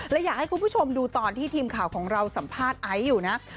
และอยากให้คุณผู้ชมดูตอนที่ทีมข่าวของเราสัมภาษณ์ไอซ์อยู่นะ